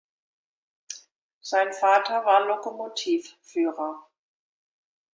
Sein Vater war Lokomotivführer.